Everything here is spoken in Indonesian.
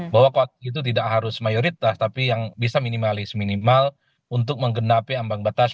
bahwa itu tidak harus mayoritas tapi yang bisa minimalis minimal untuk menggenapi ambang batas